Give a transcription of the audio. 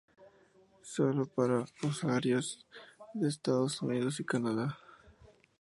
Solo para usuarios de Estados Unidos y Canadá.